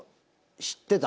知ってた？